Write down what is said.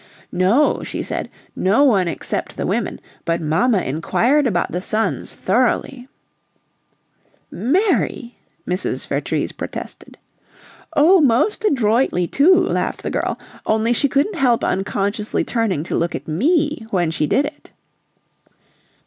"No," she said, "no one except the women, but mamma inquired about the sons thoroughly!" "Mary!" Mrs. Vertrees protested. "Oh, most adroitly, too!" laughed the girl. "Only she couldn't help unconsciously turning to look at me when she did it!"